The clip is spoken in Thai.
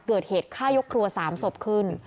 เกิดเหตุฆ่ายกครัว๓ศพขึ้น